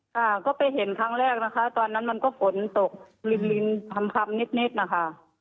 ค่ะก็ไปเห็นครั้งแรกนะคะตอนนั้นมันก็ฝนตกลิ้นลิ้นพร้อมพร้อมนิดนิดนะคะ